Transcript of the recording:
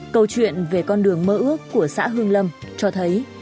câu chuyện về con đường mơ ước của xã hương lâm cho thấy